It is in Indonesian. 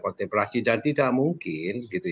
kontemplasi dan tidak mungkin